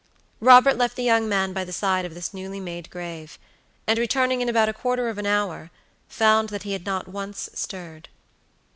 Robert left the young man by the side of this newly made grave, and returning in about a quarter of an hour, found that he had not once stirred.